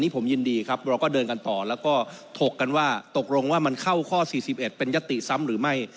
ผมยินดีครับเราก็เดินกันต่อแล้วก็ถกกันว่าตกลงว่ามันเข้าข้อ๔๑เป็นยติซ้ำหรือไม่